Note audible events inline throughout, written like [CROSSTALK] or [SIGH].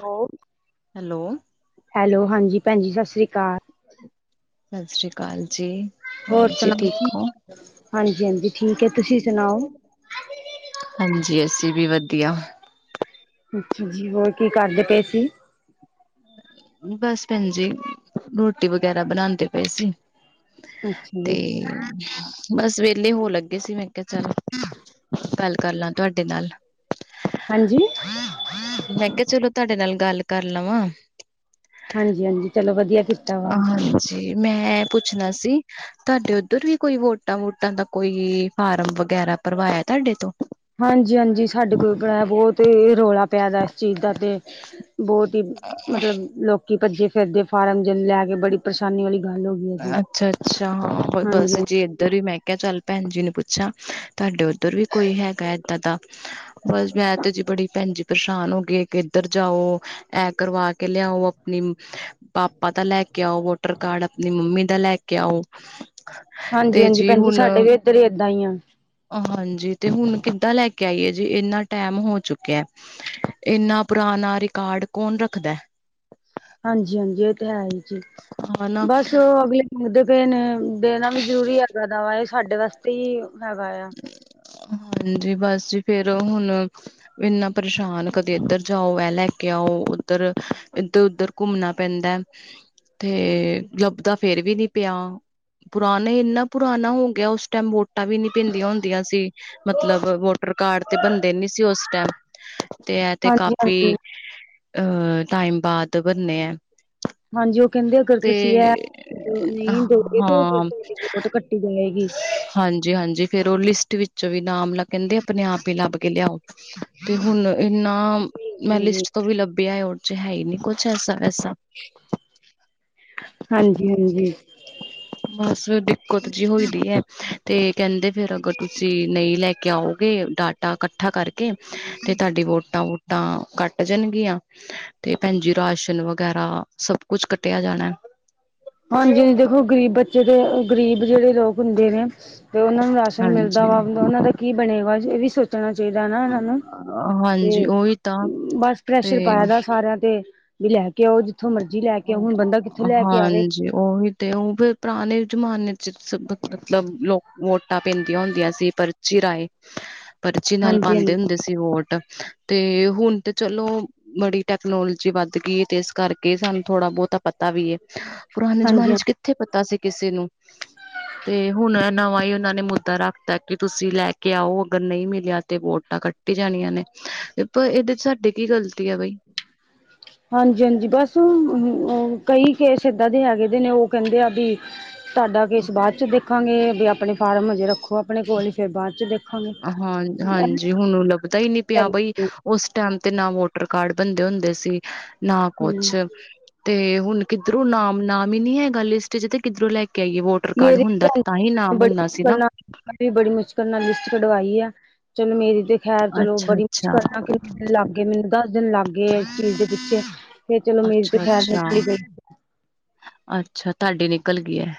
Hello, hello hello ਹਾਂਜੀ ਭੈਣਜੀ, ਸਸ ਸ੍ਰੀ ਅਕਾਲ। ਸਸ ਸ੍ਰੀ ਕਾਲ ਜੀ। ਹੋਰ ਜੀ ਸੁਣਾ। ਠੀਕ ਹੋ ਹਾਂਜੀ-ਹਾਂਜੀ, ਠੀਕ ਐ। ਤੁਸੀ ਸੁਣਾਔ? ਹਾਂਜੀ, ਅਸੀ ਵੀ ਵਧੀਆ। ਅੱਛਾ ਜੀ, ਹੋਰ ਕੀ ਕਰਦੇ ਪੇ ਸੀ? ਬਸ ਭੈਣ ਜੀ ਰੋਟੀ ਵਗੈਰਾ ਬਣਾਉਂਦੇ ਪਏ ਸੀ। ਅੱਛਾ ਤੇ ਜੀ, ਬਸ ਵੇਹਲੇ ਹੋਣ ਲੱ ਗੇ ਸੀ ਮੈਂ ਕਿਆ ਚੱਲ ਗੱਲ ਕਰ ਲਾਂ ਤੁਆਡੇ ਨਲ। ਹਾਂਜੀ ਮੈਂ ਕਿਆ ਚਲੋ ਤੁਆਡੇ ਨਾਲ ਗੱਲ ਕਰ ਲਵਾਂ। ਹਾਂਜੀ-ਹਾਂਜੀ, ਚਲੋ ਵਧੀਐ। ਹਾਂਜੀ, ਮੈਂ ਇਹ ਪੁੱਛਣਾ ਸੀ ਤਾਡੇ ਔਧਰ ਵੀ ਕੋਈ ਵੋਟਾਂ-ਵੁਟਾਂ ਦਾ ਕੋਈ ਫਾਰਮ ਵਗੈਰਾ ਭਰਵਾਇਐ ਤਾਡੇ ਤੋਂ? ਹਾਂਜੀ-ਹਾਂਜੀ ਸਾਡੇ ਕੋਲ [UNINTELLIGIBLE] ਬੋਤ ਏ, ਏ ਰੌਲਾ ਪਿਆਦੈ ਇਸ ਚੀਜ਼ ਦਾ ਤੇ ਬੋਤ ਈ ਮਤਲਬ ਲੋਕੀ ਭੱਜੇ ਫਿਰਦੇ ਫਾਰਮ ਜਨ ਲੈ ਕੇ ਬੜੀ ਪਰੇਸ਼ਾਨੀ ਵਾਲੀ ਗੱਲ ਹੋ ਗਈ ਹੈ ਜੀ। ਐ। ਅੱਛਾ-ਅੱਛਾ ਬ ਬਸ ਹਾਂਜੀ, ਜੀ ਇੱਧਰ ਈ ਮੈਂ ਕਿਆ ਚੱਲ ਭੈਣ ਜੀ ਨੂੰ ਪੁੱਛਾਂ ਤਾਡੇ ਔਧਰ ਵੀ ਕੋਈ ਹੈਗਾ ਏਦਾਂ ਦਾ। ਬਸ ਮੈਂ ਤੇ ਜੀ ਬੜੀ ਪੈਣਜੀ ਪਰੇਸ਼ਾਨ ਹੋ ਗਏ ਕਿ ਇੱਧਰ ਜਾਔ, ਐ ਕਰਵਾ ਕੇ ਲਿਆਔ ਆਪਣੀ ਪਾਪਾ ਦਾ ਲੈ ਕੇ ਆਔ ਵੋਟਰ ਕਾਰਡ ਨੀ ਮੰਮੀ ਦਾ ਲੈ ਕੇ ਆਔ ਹਾਂਜੀ-ਹਾਂਜੀ ਭੈਣਜੀ ਸਾਡੇ ਵੀ ਇੱਧਰ ਏਦਾਂ ਈ ਆ ਔਰ ਹਾਂਜੀ ਤੇ ਹੁਣ ਕਿੱਦਾਂ ਲੈ ਕੇ ਆਈਏ ਜੇ ਇੰਨਾ ਟੈਮ ਹੋ ਚੁੱਕਿਐ। ਇੰਨਾ ਪੁਰਾਣਾ ਰਿਕਾਰਡ ਕੌਣ ਰੱਖਦੈ। ਹਾਂਜੀ-ਹਾਂਜੀ ਐ ਤੇ ਹੈ ਈ ਜੇ। ਹਨਾ ਬਸ ਔ ਅਗਲੇ ਮੁਦੇ ਪਏ ਨੇ ਦੇਣਾ ਵੀ ਜ਼ਰੂਰੀ ਹੈਗਾ ਦਾ ਵਾ ਏ ਸਾਡੇ ਵਾਸਤੇ ਈ ਹੈਗਾ ਏ ਆ ਹਾਂਜੀ ਬਸ ਫੇਰ ਹੁਣ ਇੰਨਾ ਪਰੇਸ਼ਾਨ ਕਦੇ ਇੱਧਰ ਜਾਔ, ਐ ਲੈ ਕੇ ਆਔ ਔਧਰ, ਇੱਧਰ-ਔਧਰ ਘੁੰਮਣਾ ਪੈਂਦੈ ਤੇ ਲੱਭਦਾ ਫੇਰ ਵੀ ਨੀ ਪਿਆ ਪੁਰਾਣੇ ਇੰਨਾ ਪੁਰਾਣਾ ਹੋ ਗਿਆ ਉਸ ਟੈਮ ਵੋਟਾਂ ਵੀ ਨੀ ਪੇਂਦੀਆਂ ਹੁੰਦੀਆਂ ਸੀ ਮਤਲਬ ਵੋਟਰ ਕਾਰਡ ਤੇ ਬਣਦੇ ਨੀ ਸੀ ਔਸ ਟੈਮ ਤੇ ਐ ਤੇ ਹਾਂਜੀ ਕਾਫੀ ਹਾਂਜੀ ਅ ਟਾਈਮ ਬਾਦ ਬਨਨੇ ਐ ਹਾਂਜੀ ਔ ਕੈਂਦੇ ਅਗਰ ਤੁਸੀ ਐ [UNINTELLIGIBLE] ਨੀ ਦੋਗੇ ਤੇ ਫਿਰ ਹਾਂ ਤੁਹਾਡੀੋ ਵੋਟ ਕਟ ਟੀ ਜਾਏਗੀ। ਹਾਂਜੀ-ਹਾਂਜੀ। ਫੇਰ ਔ ਲਿਸਟ ਵਿੱਚੋਂ ਵੀ ਨਾਮ ਲ ਕੈਂਦੇ ਆਪਣੇ ਆਪ ਈ ਲੱਭ ਕੇ ਲਿਆਔ ਤੇ ਹੁਣ ਇੰਨਾਂ ਮੈਂ ਹਾਂਜੀ ਲਿਸਟ ਤੋਂ ਵੀ ਲੱਭਿਐ ਔਰਚ ਹੈ ਈ ਨੀ ਕੁਛ ਐਸਾ-ਵੈਸਾ ਹਾਂਜੀ, ਹਾਂਜੀ। ਬਸ ਦਿੱਕਤ ਜੀ ਹੋਈ ਦੀ ਐ ਤੇ ਕੈਂਦੇ ਫੇਰ ਅਗਰ ਤੁਸ ਤੇ ਨਈ ਲੈ ਕੇ ਆਔਗੇ ਡਾਟਾ ਕੱਠਾ ਕਰਕੇ ਤੇ ਤਾਡੀ ਵੋਟਾਂ ਵ ਟਾਂ ਕੱਟ ਜਣਗੀਆਂ ਤੇ ਭੈਣਜੀ ਰਾਸ਼ਨ ਵਗੈਰਾ ਸਭ ਕੁਛ ਕੱਟਿਆ ਜਾਣੈ। ਹਾਂਜੀ-ਹਾਂਜੀ ਦੇਖੋ ਗਰੀਬ ਬੱਚੇ ਤੇ ਗਰੀਬ ਜੇੜੇ ਲੋਕ ਹੁੰਦੇ ਨੇ ਤੇ ਔਨਾਂ ਨੂੰ ਰਾਸ਼ਨ ਮਿਲਦਾ ਵਾ ਹਾਂਜੀ [UNINTELLIGIBLE] ਔਨਾਂ ਦਾ ਕੀ ਬਣੇਗਾ ਅੱਜ ਐ ਵੀ ਸੋਚ ਣਾ ਚਾਹੀਦੈ ਨੈ ਔਨਾ ਨੂੰ ਤੇ ਹਾਂਜੀ ਉਹੀ ਤਾਂ ਬਸ ਪ੍ਰੈਸ਼ਰ ਤੇ ਪਾਇਆ ਦੈ ਸਾਰਿਆਂ ਤੇ ਵੀ ਲੈ ਕੇ ਆਔ, ਜਿੱਥੋਂ ਮਰਜ਼ੀ ਲੈ ਕੇ ਆਔ। ਹੁਣ ਬੰਦਾ ਕਿੱਥੋਂ ਲੈ ਕੇ ਆਵੇ ਔਵੀ ਤੇ ਔ ਹੁਨ ਫਿਰ ਪਰਾਣੇ ਜਮਾਨੇ 'ਚ [UNINTELLIGIBLE] ਮਤਲਬ ਲੋਕ ਵੋ ਟਾਂ ਪੈਂਂਦੀਆਂ ਹੁੰਦੀਆਂ ਸੀ, ਪਰਚੀ ਰਾਏ। ਪਰਚੀ ਨਾਲ ਹਾਂਜੀ ਹਾਂਜੀ ਪਾਂਦੇ ਹੁੰਦੇ ਸੀ ਤੇ ਵੋਟ, ਤੇ ਹੁਣ ਤੇ ਚਲੋ ਬੜੀ ਟੈਕਨੋਲੋਜੀ ਵੱਧ ਗਈ ਏ ਤੇ ਏਸ ਕਰਕੇ ਸਾਨੂੰ ਥੋੜ੍ਹਾ ਬਹੁਤਾ ਪਤਾ ਵੀ ਹੈ ਪੁਰਾਣੇ ਹਾਂਜੀ ਜਮਾਨੇ ਹਾਂਜੀ ਚ ਕਿੱਥੇ ਪਤਾ ਸੀ ਕਿਸੇ ਨੂੰ ਤੇ ਹੁਣ ਨਵਾਂ ਹੀ ਉਹਨਾਂ ਨੇ ਮੁੱਦਾ ਰੱਖਤਾ ਕਿ ਤੁਸੀਂ ਲੈ ਕੇ ਆਓ ਅਗਰ ਨਹੀਂ ਮਿਲਿਆ ਤੇ ਵੋਟਾਂ ਕੱਟ ਕਟ ਜਾਣੀਆਂ ਨੇ ਤੇ ਪਰ ਇਹਦੇ ਚ ਸਾਡੇ ਕੀ ਗਲਤੀ ਆ ਬਈ ਹਾਂਜੀ, ਹਾਂਜੀ ਬਸ ਕਈ ਕੇਸ ਏਦਾਂ ਦੇ ਹੈਗੇ ਦੇ ਨੇ ਉਹ ਕਹਿੰਦੇ ਆ ਵੀ ਤਾਡਾ ਕੇਸ ਬਾਦ 'ਚ ਦੇਖਾਂਗੇ। ਬੀ ਅਪਣੇ ਫਾਰਮ ਹਜੇ ਰੱਖੋ ਅਪਣੇ ਕੋਲ ਈ। ਫੇਰ ਬਾਦ 'ਚ ਦੇ ਹਾਂ ਹਾਂਜੀ ਹੁਣ ਲੱਭਦਾ ਹੀ ਨਹੀਂ ਪਿਆ ਬਈ ਉਸ ਟੈਮ ਤੇ ਨਾ ਵੋਟਰ ਕਾਰਡ ਬਣਦੇ ਹੁੰਦੇ ਸੀ ਨਾ ਕੁਛ, ਹੂੰ ਤੇ ਹੁਣ ਕਿੱਧਰੋਂ ਨਾਮ, ਨਾਮ ਹੀ ਨੀ ਹੈਗਾ ਲਿਸਟ ਚ ਤੇ ਕਿਧਰੋਂ ਲੈ ਕੇ ਕਈ ਵੋਟਰ ਕਾਰਡ ਹੁੰਦਾ ਤਾਂ ਹੀ ਨਾਮ ਹੁੰਦਾ ਸੀ ਨਾ ਵੀ ਬੜੀ ਮੁਸ਼ਕਿਲ ਨਾਲ ਲਿਸਟ ਕਢਵਾਈ ਆ ਚਲੋ ਮੇਰੀ ਤੇ ਖੈਰ ਚਲੋ ਅੱਛਾ ਬੜੀ ਅੱਛਾ ਮੁਸ਼ਕਿਲ ਨਾਲ ਕਿਨ ਲੱਗ ਗਏ ਮੈਨੂੰ ਦੱਸ ਦਿਨ ਲੱਗ ਗਏ ਇਸ ਚੀਜ਼ ਦੇ ਪਿੱਛੇ ਫੇਰ ਚਲੋ ਮੇਰੀ ਤੇ ਅੱਛਾ ਖੈਰ ਅੱਛਾ ਨਿਕਲੀ ਪਈ ਅੱਛਾ ਤੁਹਾਡੀ ਨਿਕਲ ਗਈ ਹੈ।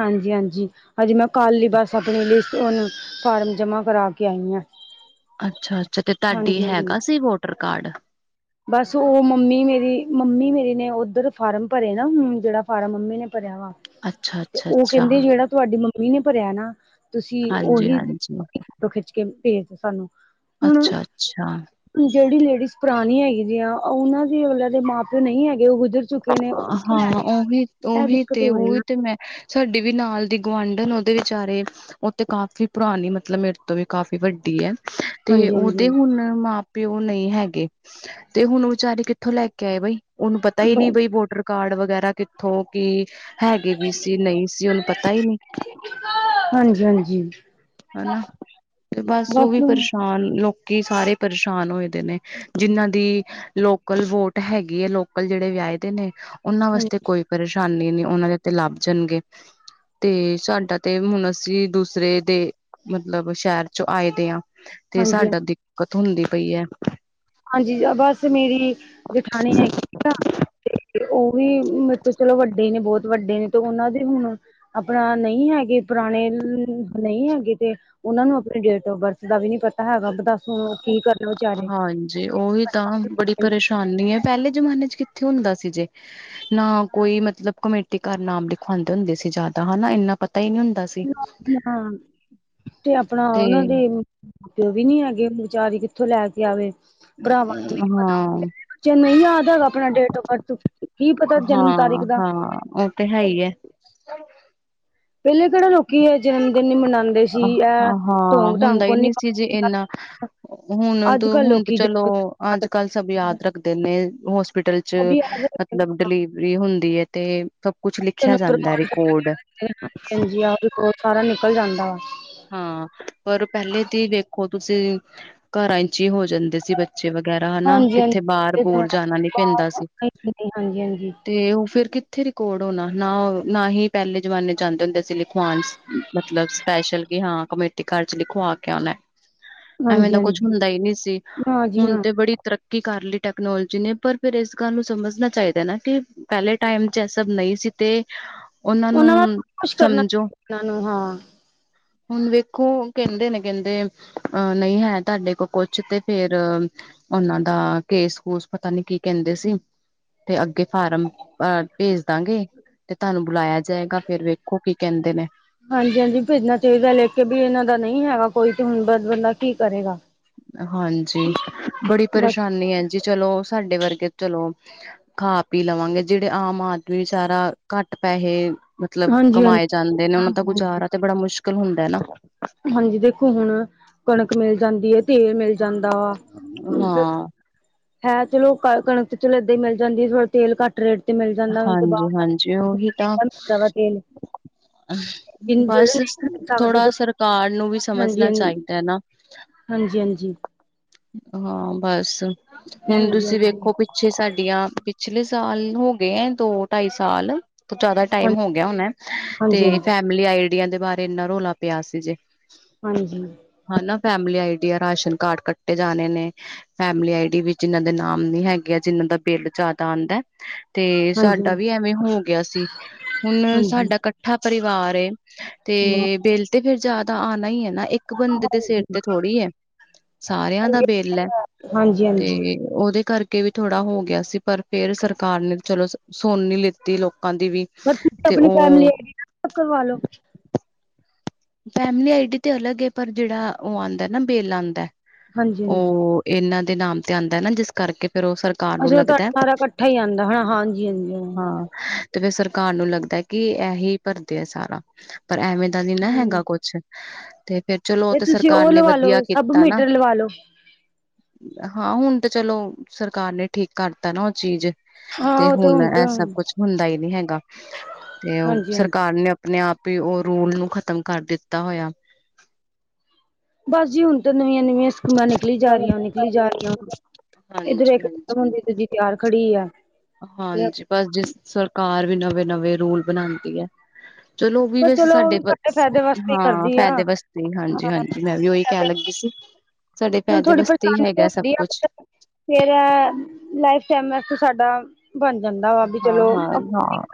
ਹਾਂਜੀ, ਹਾਂਜੀ, ਹਾਂਜੀ ਮੈਂ ਹਜੇ ਕੱਲ ਹੀ ਬਸ ਆਪਣੀ ਲਿਸਟ ਫਾਰਮ ਜਮਾਂ ਕਰਾ ਕੇ ਆਈ ਹਾਂ। ਅੱਛਾ, ਅੱਛਾ ਤੇ ਤੁਹਾਡੀ ਹਾਂਜੀ-ਹਾਂਜੀ। ਹੈਗਾ ਸੀ ਵੋਟਰ ਕਾਰਡ ਬਸ ਉਹ ਮੰਮੀ ਮੇਰੀ ਮੰਮੀ ਮੇਰੀ ਨੇ ਉੱਧਰ ਫਾਰਮ ਭਰੇ ਨਾ ਜਿਹੜਾ ਫਾਰਮ ਮੰਮੀ ਨੇ ਭਰਿਆ ਵਾ ਅੱਛਾ ਤੇ ਅੱਛਾ ਉਹ ਅੱਛਾ ਕਹਿੰਦੇ ਜਿਹੜਾ ਤੁਹਾਡੀ ਮੰਮੀ ਨੇ ਭਰਿਆ ਨਾ ਤੁਸੀਂ ਹਾਂਜੀ ਉਹੀ ਹਾਂਜੀ ਖਿੱਚ ਕੇ ਭੇਜ ਦੇ ਸਾਨੂੰ ਹੁਣ ਅੱਛ- ਅੱਛਾ। ਜਿਹੜੀ ਲੇਡੀਜ਼ ਪੁਰਾਣੀ ਹੈਗੀ ਆ ਉਹਨਾਂ ਦੇ ਉਹਨਾਂ ਦੇ ਮਾਂ ਪਿਓ ਨਹੀਂ ਹੈਗੇ ਉਹੋ ਜਿਹੇ ਹਾਂ ਉਹੀ ਉਹੀ ਦਿੱਕਤ ਤੇ ਹੋ ਰਹੀ ਉਹੀ ਨਾ ਤੇ ਮੈਂ ਸਾਡੀ ਵੀ ਨਾਲ ਦੀ ਗੁਆਂਢਨ ਉਹਦੇ ਵਿਚਾਰੇ ਉਹ ਤੇ ਕਾਫ਼ੀ ਪੁਰਾਣੀ ਮਤਲਬ ਮੇਰੇ ਤੋਂ ਵੀ ਕਾਫ਼ੀ ਵੱਡੀ ਹੈ ਤੇ ਹਾਂਜੀ ਹਾਂਜੀ ਉਹਦੇ ਹੁਣ ਮਾਂ ਪਓ ਨਹੀਂ ਹੈਗੇ ਤੇ ਹੁਣ ਵਿਚਾਰੇ ਕਿੱਥੋਂ ਲੈ ਕੇ ਆਏ ਬਈ ਉਹਨੂੰ ਪਤਾ ਹੀ ਨਹੀ ਬਈ ਬੋਡਰ ਕਾਰਡ ਵਗੈਰਾ ਕਿੱਥੋਂ ਕਿ ਹੈਗੇ ਵੀ ਸੀ ਨਹੀਂ ਸੀ ਉਹਨੂੰ ਪਤਾ ਹੀ ਨਹੀਂ ਹਾਂਜੀ- ਹਾਂਜੀ ਹਨਾ ਤੇ ਬਸ ਉਹ ਵੀ ਪਰੇਸ਼ਾਨ ਲੋਕੀ ਸਾਰੇ ਪਰੇਸ਼ਾਨ ਹੋਏ ਦੇ ਨੇ ਜਿੰਨਾਂ ਦੀ ਲੋਕਲ ਵੋਟ ਹੈਗੀ ਹੈ ਲੋਕਲ ਜਿਹੜੇ ਵਿਆਹੀ ਦੇ ਨੇ ਉਹਨਾਂ ਵਾਸਤੇ ਹਾਂਜੀ ਕੋਈ ਪਰੇਸ਼ਾਨੀ ਨੀ ਉਹਨਾਂ ਦੇ ਤੇ ਲੱਭ ਜਾਣਗੇ ਤੇ ਸਾਡਾ ਤੇ ਹੁਣ ਅਸੀਂ ਦੂਸਰੇ ਦੇ ਮਤਲਬ ਸ਼ਹਿਰ ਚ ਆਏ ਦੇ ਆ ਤੇ ਹਾਂਜੀ ਸਾਡਾ ਦਿੱਕਤ ਹੁੰਦੀ ਪਈ ਹੈ। ਹਾਂਜੀ। ਬਸ ਮੇਰੀ ਜਠਾਣੀ ਹੈਗੀ ਸੀ ਆ ਤੇ ਉਹ ਵੀ ਮੇਰੇ ਚਲੋ ਵੱਡੇ ਨੇ ਬਹੁਤ ਵੱਡੇ ਨੇ ਤੇ ਉਹਨਾਂ ਦੇ ਹੁਣ ਆਪਣਾ ਨਹੀਂ ਹੈਗੇ ਪੁਰਾਣੇ ਨਹੀਂ ਹੈਗੇ ਤੇ ਉਹਨਾਂ ਨੂੰ ਆਪਣੀ ਡੇਟ ਆਫ ਬਰਥ ਦਾ ਵੀ ਨੀ ਪਤਾ ਹੈਗਾ ਦੱਸ ਕੀ ਕਰਨਾ ਵਿਚਾਰੇ ਜੇ ਉਹੀ ਤਾਂ ਬੜੀ ਪਰੇਸ਼ਾਨੀ ਹੈ। ਪਹਿਲੇ ਜਮਾਨੇ ਚ ਕਿੱਥੇ ਹੁੰਦਾ ਸੀ। ਜੇ ਨਾ ਕੋਈ ਮਤਲਬ ਕਮੇਟੀ ਘਰ ਨਾਮ ਲਿਖਵਾਉਂਦੇ ਹੁੰਦੇ ਸੀ ਜ਼ਿਆਦਾ ਹਨਾ ਇੰਨਾ ਪਤਾ ਹੀ ਨਹੀਂ ਹੁੰਦਾ ਸੀ ਤੇ ਆਪਣਾ ਤੇ ਉਹਨਾਂ ਦੇ ਪਿਓ ਵੀ ਨੀ ਹੈਗੇ ਹੁਣ ਵਿਚਾਰੀ ਕਿੱਥੋਂ ਲੈ ਕੇ ਆਵੇ ਭਰਾਵਾਂ ਨੂੰ ਵੀ ਨ ਪਤਾ ਹਾਂ ਜੇ ਨਹੀਂ ਯਾਦ ਹੈਗਾ ਆਪਣਾ ਡੇਟ ਆਫ ਬਰਥ ਕੀ ਪਤਾ ਜਨਮ ਤਾਰੀਕ ਦਾ ਓਕੇ ਤੇ ਹੈ ਹੀ ਹੈ। [INAUDIBLE] ਪਹਿਲੇ ਕਿਹੜਾ ਲੋਕੀ ਇਹ ਜਨਮਦਿਨ ਹੀ ਮਨਾਉਂਦੇ ਸੀ ਇਹ ਹਾਂ ਹਾਂ ਢੋਂਗ ਢਾਂਗ ਹੁੰਦਾ ਹੀ ਕੋਨੀ ਨਹੀਂ ਸੀ ਜੇ ਇੰਨਾ ਹੁਣ ਤੂੰ ਹੁਣ ਚਲੋ ਅੱਜ ਕੱਲ ਸਭ ਯਾਦ ਰੱਖਦੇ ਨੇ ਹੋਸਪਿਟਲ ਚ ਅਭੀ ਯਾਦ ਮਤਲਬ ਡਿਲੀਵਰੀ ਹੁੰਦੀ ਹੈ ਤੇ ਸਭ ਕੁਛ ਲਿਖ ਉਹ ਸਾਰਾ ਨਿਕਲ ਜਾਂਦਾ ਵ ਹਾਂ। ਪਰ ਪਹਿਲੇ ਦੀ ਵੇਖੋ ਤੁਸੀਂ ਘਰਾਂ ਹੋ ਜਾਂਦੇ ਸੀ ਬੱਚੇ ਵਗੈਰਾ ਹਨਾ ਹਾਂਜੀ ਹਾਂਜੀ ਕਿੱਥੇ ਬਾਹਰ ਇਹ ਤਾਂ ਬੋਲ ਜਾਣਾ ਨੀ ਹੈ। ਪੈਂਦਾ ਸੀ। [INAUDIBLE] ਤੇ ਉਹ ਫਿਰ ਕਿੱਥੇ ਰਕਾਰਡ ਹੋਣਾ ਨਾ ਨਾ ਹੀ ਪਹਿਲੇ ਜਮਾਨੇ ਚ ਜਾਂਦੇ ਹੁੰਦੇ ਸੀ ਲਿਖ [UNINTELLIGIBLE] ਮਤਲਬ ਸਪੈਸ਼ਲ ਕਿ ਹਾਂ ਕਮੇਟੀ ਘਰ ਚ ਲਿਖਵਾ ਕੇ ਆਨਾ। ਐਵੇਂ ਹਾਂਜੀ ਦਾ ਕੁਛ ਹਾਂਜੀ ਹੁੰਦਾ ਈ ਨਈ ਸੀ, ਨਾ ਜੀ ਹੁਣ ਨਾ ਤੇ ਬੜੀ ਤਰੱ ਕੀ ਕਰਲੀ ਟੈਕਨੋਲੋਜੀ ਨੇ, ਪਰ ਫਿਰ ਇਸ ਗੱਲ ਨੂੰ ਸਮਝਣਾ ਚਾਇਦਾ ਨਾ ਕਿ ਪੈਲੇ ਟਾਈਮ ਚ ਇਹ ਸਭ ਨਈ ਸੀ ਤੇ ਉਹਨਾਂ ਦਾ ਨੂੰ ਕੁਛ ਕਰਨਾ ਸਮ ਨੂੰ ਹਾਂ। ਹੁਣ ਵੇਖੋ ਕੈਂਦੇ ਨੇ ਕੈਂਦੇ ਅ ਨਈ ਹੈ ਤੁਆਡੇ ਕੋਲ ਕੁਛ ਤੇ ਫੇਰ ਉਹਨਾਂ ਦਾ ਕੇਸ ਕੂਸ ਪਤਾ ਨੀ ਕੀ ਕੈਂਦੇ ਸੀ ਤੇ ਅੱਗੇ ਫਾਰਮ ਅ ਭੇਜ ਦਾਂਗੇ ਤੇ ਤੁਆਨੂੰ ਬੁਲਾਇਆ ਜਾਏਗਾ ਫੇਰ ਵੇਖੋ ਕੀ ਕਹਿੰਦੇ ਨੇ। ਹਾਂਜੀ-ਹਾਂਜੀ, ਭੇਜਣਾ ਚਾਈਦਾ ਲਿਖ ਕੇ ਵੀ ਇਹਨਾਂ ਦਾ ਨਈ ਹੈਗਾ ਕੋਈ ਤੇ ਹੁਣ ਬ ਬੰਦਾ ਕੀ ਕਰੇਗਾ। ਹਾਂਜੀ, ਬੜੀ ਬਸ ਪਰੇਸ਼ਾਨੀ ਐ ਜੀ, ਚਲੋ ਸਾਡੇ ਵਰਗੇ ਚਲੋ ਖਾ ਪੀ ਲਵਾਂਗੇ ਜੇੜੇ ਆਮ ਆਦਮੀ ਵੇਚਾਰਾ ਘੱਟ ਪੈਹੇ ਮਤਲਬ ਹਾਂਜੀ ਕਮਾਏ ਹਾਂਜੀ ਜਾਂਦੇ ਨੇ ਉਹਨਾਂ ਦਾ ਹਾਂਜੀ ਗੁਜ਼ਾਰਾ ਤੇ ਬੜਾ ਮੁਸ਼ਕਿਲ ਹੁੰਦਾ ਐ ਨਾ। ਹਾਂਜੀ, ਦੇਖੋ ਹੁਣ ਕਣਕ ਮਿਲ ਜਾਂਦੀ ਐ, ਤੇਲ ਮਿਲ ਜਾਂਦਾ ਵਾ। ਹਾਂ। ਹੈ ਚਲੋ ਕਣਕ ਤੇ ਚਲੋ ਏਦਾਂ ਈ ਮਿਲ ਜਾਂਦੀ ਐ ਥੋੜਾ ਤੇਲ ਘੱਟ ਰੇਟ ਤੇ ਮਿਲ ਜਾਂਦਾ ਹਾਂਜੀ ਬਾਦ ਹਾਂਜੀ [UNINTELLIGIBLE] ਉਹੀ ਤਾਂ ਮਹਿੰਗਾ ਮਿਲਦਾ ਵਾ ਤੇਲ। ਜਿਹੜੇ ਬਸ ਨਹੀਂ ਖਰੀਦ ਸਕਦੇ ਥੋੜਾ ਤੇ ਸਰਕਾਰ ਨੂੰ ਵੀ ਸਮਝਣਾ ਚਾਈਦਾ ਨਾ। ਹਾਂਜੀ-ਹਾਂਜੀ। ਹਾਂ, ਬਸ ਹੁਣ ਹਾਂਜੀ ਤੁਸੀਂ ਹਾਂਜੀ ਵੇਖੋ ਬਈ ਪਿੱਛੇ ਸਾਡੀਆਂ, ਪਿਛਲੇ ਸਾਲ ਹੋ ਗਏ ਐ, ਦੋ-ਢਾਈ ਸਾਲ ਤੋਂ ਜੈਦਾ ਹਾਂ ਟਾਈਮ ਹੋ ਗਿਆ ਹੁਣਾ ਹਾਂਜੀ ਤੇ ਫੈਮਲੀ ਆਈਡੀਆ ਦੇ ਬਾਰੇ ਇਨਾ ਰੋਲਾ ਪਿਆ ਸੀ ਜੇ। ਹਾਂਜੀ। ਹੈਨਾ ਫੈਮਿਲੀ ਆਈਡੀਆ ਰਾਸ਼ਨ ਕਾਰਡ ਕੱਟੇ ਜਾਣੇ ਨੇ ਫੈਮਲੀ ਆਈਡੀ ਵੀਚ ਜਿਨਾਂ ਦੇ ਨਾਮ ਨੀ ਹੈਗੇ ਜਿਨਾ ਦਾ ਬਿੱਲ ਜੈਦਾ ਆਂਦਾ ਤੇ ਹਾਂਜੀ ਸਾਡਾ ਹਾਂਜੀ ਵੀ ਐਵੇਂ ਹੋ ਗਿਆ ਸੀ। ਹੁਣ ਹਾਂਜੀ ਸਾਡਾ ਕੱਠਾ ਪਰਿਵਾਰ ਏ, ਤੇ ਹਮ ਬਿਲ ਤੇ ਫੇਰ ਜੈਦਾ ਆਣਾ ਈ ਐ ਨਾ, ਇੱਕ ਬੰਦੇ ਦੇ ਸਿਰ ਤੇ ਥੋੜੀ ਐ। ਸਾਰਿਆਂ ਦਾ ਹਾਂਜੀ ਬਿੱਲ ਐ, ਹਾਂਜੀ ਤੇ ਹਾਂਜੀ ਉਹਦੇ ਕਰਕੇ ਕੇ ਵੀ ਥੋੜਾ ਹੋ ਗਿਆ ਸੀ ਪਰ ਫੇਰ ਸਰਕਾਰ ਨੇ ਚਲੋ ਸੁਣ ਈ ਲਿੱਤੀ ਲੋਕਾਂ ਦੀ ਵੀ ਪਰ ਤੁਸੀ ਤੇ ਅਪਣੀ ਫੈਮਿਲੀ ਉਹ ਆਇਡੀ ਅਲੱਗ ਕਰਵਾ ਲੋ। ਫੈਮਿਲੀ ਆਈਡੀ ਤੇ ਅਲੱਗ ਐ, ਪਰ ਜੇੜਾ ਉਹ ਆਂਦਾ ਨਾ ਬਿਲ ਆਂਦਾ ਹਾਂਜੀ ਹਾਂਜੀ ਉਹ ਇਹਨਾਂ ਦੇ ਨਾਮ ਤੇ ਆਂਦਾ ਨਾ ਜਿਸ ਕਰਕੇ ਫਿਰ ਉਹ ਸਰ ਅੱਛਾ, ਉਹ ਤੁਹਾਡਾ ਸਾਰਾ ਕੱਠਾ ਈ ਆਂਦਾ ਹੈਨਾ, ਹਾਂਜੀ-ਹਾਂਜੀ। ਹਾਂ ਤੇ ਫੇਰ ਸਰਕਾਰ ਨੂੰ ਲੱਗਦਾ ਕਿ ਇਹੀ ਭਰਦੇ ਆ ਸਾਰਾ ਪਰ ਐਵੇਂ ਦਾ ਨੀ ਨਾ ਹੈਗਾ ਹ ਕੁਛ, ਤੇ ਫੇਰ ਚਲੋ ਉਹ ਤੇ ਤੁਸੀਂ ਸਰਕਾਰ ਨੇ ਲਵਾ ਵਦੀਆ ਲੋ ਸਬ ਕੀਤਾ ਨਾ ਮੀਟਰ ਲਵਾ ਲੋ ਹਾਂ ਹੁਣ ਤੇ ਚਲੋ, ਸਰਕਾਰ ਨੇ ਠੀਕ ਕਰਤਾ ਨਾ ਉਹ ਚੀਜ਼। ਹਾਂ ਤੇ ਉਹ ਹੁਣ ਤੇ ਇਹ ਸਭ ਕੁਛ ਹੁੰਦਾ ਈ ਨਈ ਹੈਗਾ ਤੇ ਉਹ ਹਾਂਜੀ ਹਾਂਜੀ ਸਰਕਾਰ ਨੇ ਅਪਣੇ ਆਪ ਹੀ ਉਹ ਰੂਲ ਨੂੰ ਖ਼ਤਮ ਕਰ ਦਿੱਤਾ ਹੋਇਆ। ਬਸ ਜੀ ਹੁਣ ਤੇ ਨਵੀਆਂ-ਨਵੀਆਂ ਸਕੀਮਾਂ ਨਿਕਲੀ ਜਾ ਰਈਆਂ, ਨਿਕਲੀ ਜਾ ਰਈਆਂ, ਇੱਧਰ ਹਾਂਜੀ ਇੱਕ ਖਤਮ ਹਾਂਜੀ ਹੁੰਦੀ ਦੂਜੀ ਤਿਆਰ ਖੜੀ ਆ। ਤੇ ਹਾਂਜੀ, ਬਸ ਜਿਸ ਸਰਕਾਰ ਵੀ ਨਵੇਂ-ਨਵੇਂ ਰੂਲ ਬਣਾਂਦੀ ਐ। ਚਲੋ ਉਹ ਵੀ ਪਰ ਵੈਸੇ ਚਲੋ ਉਹ ਸਾਡੇ ਵੀ ਫਾਇਦੇ ਵਾਸਤੇ ਹੀ ਹਾਂ, ਕਰਦੀ ਆ ਫਾਇਦੇ ਵਾਸਤੇ ਹਾਂਜੀ-ਹਾਂਜੀ, ਮੈਂ ਵੀ ਓਹੀ ਕਹਿਣ ਲੱਗੀ ਸੀ। ਸਾਡੇ ਚਲ ਫਾਯਦੇ ਥੋੜੀ ਵਾਸਤੇ ਈ ਪਰੇਸ਼ਾਨੀ ਤੇ ਹੈਗਾ ਸਭ ਹੁੰਦੀ ਆ ਕੁਛ। ਫੇਰ ਇਹ ਲਾਈਫ ਟਾਈਮ ਵਾਸਤੇ ਸਾਡਾ ਬਣ ਜਾਂਦਾ। ਵਾ ਵੀ ਚਲੋ ਹਾਂ-ਹਾਂ, ਨਾ,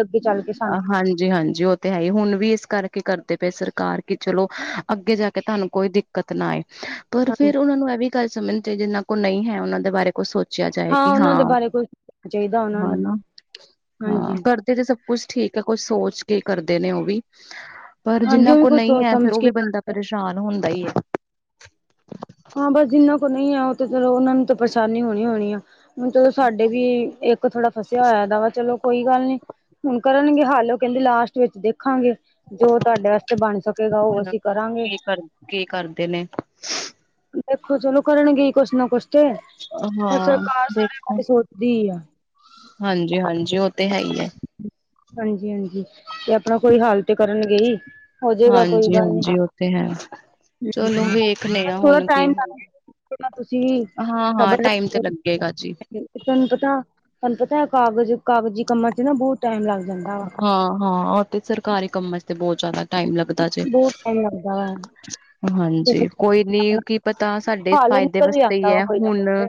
ਅੱਗੇ ਚੱਲ ਕੇ ਸਾਨੂੰ ਅ ਹਾਂਜੀ-ਹਾਂਜੀ ਉਹ ਤੇ ਹੈ ਈ, ਹੁਣ ਵੀ ਇਸ ਕਰਕੇ ਕਰਦੇ ਪਏ ਸਰਕਾਰ ਕਿ ਚਲੋ ਅੱਗੇ ਜਾ ਕੇ ਤੁਆਨੂੰ ਕੋਈ ਦਿੱਕਤ ਨਾ ਆਏ। ਪਰ ਹਾਂਜੀ ਫਿਰ ਉਹਨਾਂ ਨੂੰ ਇਹ ਵੀ ਗੱਲ ਸਮਝਨੀ ਚਾਈਦੀ ਜਿਨਾਂ ਕੋਲ ਨਈ ਹੈ ਉਹਨਾਂ ਦੇ ਬਾਰੇ ਕੁੱਛ ਸੋਚਿਆ ਜਾਏ ਹਾਂ ਕਿ ਹਾ ਉਹਨਾਂ ਦੇ ਬਾਰੇ ਕੁਛ ਚਾਹੀਦਾ ਉਹਨਾਂ ਨੂੰ ਹੈਨਾ, ਹਾਂ ਹਾਂਜੀ ਕਰਦੇ ਤੇ ਸਭ ਕੁਛ ਠੀਕ ਐ ਕੁਛ ਸੋਚ ਕੇ ਈ ਕਰਦੇ ਨੇ ਉਹ ਵੀ। ਪਰ ਹਾਂਜੀ ਜਿਹਨਾਂ ਉਹ ਵੀ ਕੋਲ, ਕੁਛ ਨਹੀ ਸੋਚ ਹੈ ਫਿਰ ਸਮਝ ਉਹ ਵੀ ਕੇ ਬੰਦਾ ਪਰੇਸ਼ਾਨ ਹੁੰਦਾ ਈ ਏ ਹਾਂ ਬਸ ਜਿੰਨਾਂ ਕੋਲ ਨਹੀਂ ਹੈ, ਉਹ ਤੇ ਚਲੋ ਉਹਨਾਂ ਨੂੰ ਤਾਂ ਪਰੇਸ਼ਾਨੀ ਹੋਣੀ ਹੋਣੀ ਆ, ਹੁਣ ਚਲੋ ਸਾਡੇ ਵੀ, ਇੱਕ ਥੋੜਾ ਫਸਿਆ ਹੋਇਆ, ਦਾ ਵਾ, ਚਲੋ ਕੋਈ ਗੱਲ ਨਈ, ਹੁਣ ਕਰਨਗੇ ਹੱਲ ਉਹ ਕਹਿੰਦੇ ਲਾਸਟ ਵਿੱਚ, ਦੇਖਾਂਗੇ। ਜੋ ਤੁਹਾਡੇ ਹਾਂਜੀ ਵਾਸਤੇ, ਬਣ ਸਕੇਗਾ ਉਹ ਹੁਣ ਅਸੀਂ, ਕਰਾਂਗੇ। ਕੀ ਕਰ ਕੀ, ਕਰਦੇ ਨੇ? ਦੇਖੋ ਚਲੋ ਕਰਨ ਗਏ, ਕੁਛ ਨਾ ਕੁਛ ਤੇ ਹ ਹਾਂ ਸਰਕਾਰ ਸਾਰੇ ਬਾਰੇ ਸੋਚਦੀ, ਆ। ਹਾਂਜੀ ਹਾਂਜੀ ਉਹ ਤੇ ਹੈ, ਹੀ ਹੈ। ਹਾਂਜੀ ਹਾਂਜੀ ਤੇ ਆਪਣਾ ਕੋਈ, ਹਾਲ ਤੇ ਕਰਨ ਗੇ ਹੀ, ਹੋ ਜਏਗਾ ਕੋਈ ਗੱਲ ਨੀ ਹਾਂਜੀ-ਹਾਂਜੀ ਉਹ ਤੇ ਹੈ ਹੁੰ ਚਲੋ ਹੁੰ ਵੇਖਣੇ ਪਰ ਆ ਥੋੜਾ ਹੁਣ ਕੀ ਟਾਈਮ ਲੱਗ ਗਿਆ ਕੋਈ ਨਾ ਤੁਸੀਂ ਹਾਂ-ਹਾਂ ਖਬਰ ਟਾਈਮ ਤੇ ਲੱਗੇਗਾ ਜੀ ਤੇ ਤੁਹਾਨੂੰ ਪਤਾ, ਤੁਹਾਨੂੰ ਪਤਾ ਕਾਗਜ਼ ਕਾਗਜ਼ੀ ਕੰਮਾਂ ਚ ਨਾ, ਬਹੁਤ ਟਾਈਮ ਲੱਗ ਜਾਂਦਾ, ਵਾ ਹਾਂ ਹਾਂ ਓ ਤੇ ਸਰਕਾਰੀ ਕੰਮਾਂ ਚ, ਬਹੁਤ ਜ਼ਿਆਦਾ ਟਾਈਮ ਲੱਗਦਾ, ਜੇ ਬਹੁਤ ਟਾਈਮ ਲੱਗਦਾ ਵਾ ਤੇ ਹਾਂਜੀ, ਕੋਈ ਨਈ, ਫਿਰ ਕੀ ਪਤਾ ਸਾਡੇ ਹੱਲ ਫਾਇਦੇ, ਨਿਕਲ ਵਾਸਤੇ ਹੀ ਆਂਦਾ ਵਾ ਹੈ, ਕੋਈ ਨਾ ਹੁਣ ਕੋਈ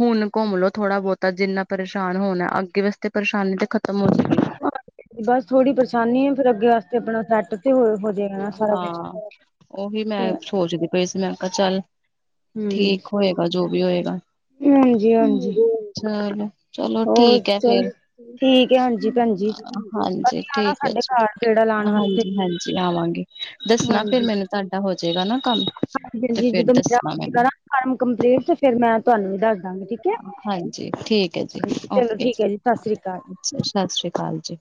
ਹੁਣ ਘੁੰਮ ਲੋੋ, ਥੋੜ੍ਹਾ ਬਹੁਤਾ ਜਿੰਨਾ ਪਰੇਸ਼ਾਨ ਹੋਣਾ ਅੱਗੇ ਵਾਸਤੇ, ਪਰੇਸ਼ਾਨੀ ਤਾਂ ਖਤਮ ਹੋਣੀ ਤੇ। ਬਸ ਥੋੜ੍ਹੀ ਪਰੇਸ਼ਾਨੀ ਆ, ਫਿਰ ਅੱਗੇ ਵਾਸਤੇ ਆਪਣਾ ਸੈੱਟ ਤੇ, ਹੋ ਹੋ ਜਾਏਗਾ ਨ ਸਾਰਾ, ਕੁਛ ਉਵੀ ਤੇ ਮੈਂ, ਸੋਚਦੀ ਪਈ ਸੀ, ਮੈਂ ਕਿਹਾ ਚੱਲ ਹੂੰ, ਠੀਕ ਹੋਏਗਾ, ਜੋ ਵੀ ਹੋਏਗਾ ਹਾਂਜੀ-ਹਾਂਜੀ ਚਲੋ ਹੋਰ, ਠੀਕ ਹੈ ਚੱਲ ਫੇਰ ਠੀਕ ਹੈ, ਹਾਂਜੀ। ਭੈਣ ਜੀ, ਹਾਂਜੀ ਕਦੀ ਆਉਣਾ ਠੀਕ ਹੈ ਸਾਡੇ ਘਰ ਗੇੜਾ ਲਾਉਣ, ਵਾਸਤੇ ਹਾਂਜੀ ਜੀ ਹਾਂਜੀ ਆਵਾਂਗੇ, ਦੱਸਣਾ ਫਿਰ ਹਾਂਜੀ। ਮੈਨੂੰ ਤੁਹਾਡਾ ਹੋਜੇਗਾ, ਨਾ ਕੰਮ ਹਾਂਜੀ ਤੇ ਹਾਂਜੀ ਫਿਰ ਜਦੋਂ ਮੈ ਦੱਸਣਾ ਜਾਵੇਗੀ, ਮੈਨੂੰ ਮੇਰਾ ਫਾਰਮ ਕੰਪਲੀਟ, ਤੇ ਫੇਰ ਮੈਂ ਤੁਹਾਨੂੰ ਵੀ ਦੱਸ ਦੇਵਾਂਗੀ, ਠੀਕ ਅ ਹਾਂਜੀ, ਠੀਕ ਹੈ ਜੀ, ਓਕੇ ਠੀਕ ਜੀ, ਹੈ ਸਤਿ ਸ੍ਰੀ ਅਕਾਲ ਅੱਛਾ, ਸਤਿ ਸ੍ਰੀ ਅਕਾਲ ਜੀ।